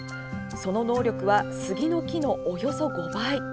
その能力はスギの木のおよそ５倍。